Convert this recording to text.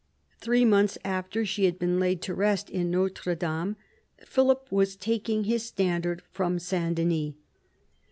Three months after she had been laid to rest in Notre Dame, Philip was taking his standard from S. Denys.